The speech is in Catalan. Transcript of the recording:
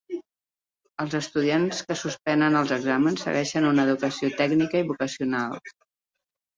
Els estudiants que suspenen els exàmens segueixen una educació tècnica i vocacional.